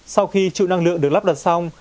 sau khi trụ năng lượng được lắp đặt xong